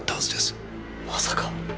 まさか。